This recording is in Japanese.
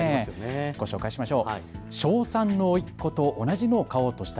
ご紹介しましょう。